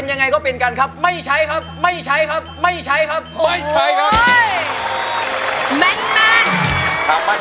คนที่คุณที่ฉันรักมาก